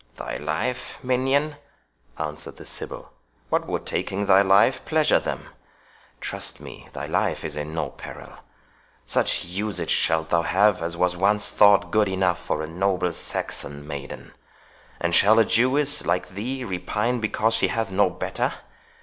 "Thy life, minion?" answered the sibyl; "what would taking thy life pleasure them?—Trust me, thy life is in no peril. Such usage shalt thou have as was once thought good enough for a noble Saxon maiden. And shall a Jewess, like thee, repine because she hath no better?